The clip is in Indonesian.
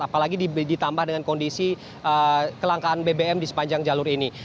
apalagi ditambah dengan kondisi kelangkaan bbm di sepanjang jalur ini